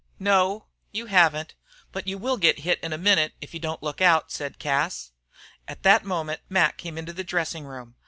"No, you haven't. But you will git hit in a minute if you don't look out," said Cas. At that moment Mac came into the dressing room.